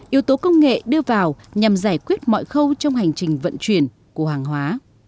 yếu tố công nghệ đưa vào nhằm giải quyết mọi khâu trong hành trình vận chuyển của hàng hóa